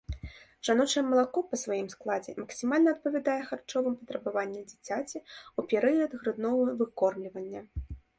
Жаночае малако па сваім складзе максімальна адпавядае харчовым патрабаванням дзіцяці ў перыяд груднога выкормлівання.